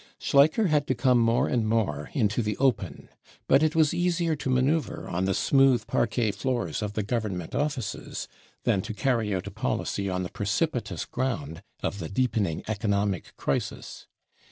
Schleicher had to come more and more into the open. But it was easier to manoeuvre on the smooth parquet floors of the government offices than to cany out a policy on the precipitous ground of the deepening economic crisis.